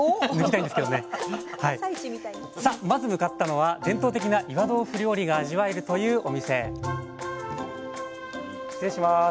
さあまず向かったのは伝統的な岩豆腐料理が味わえるというお店失礼します。